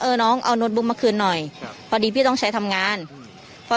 น้องเอาโน้ตบุ๊กมาคืนหน่อยครับพอดีพี่ต้องใช้ทำงานอืมพอ